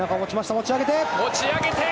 持ち上げて！